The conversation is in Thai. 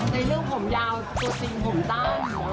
ในเรื่องผมยาวตัวซิงผมตั้ง